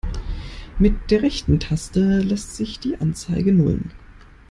Mit der rechten Taste lässt sich die Anzeige nullen.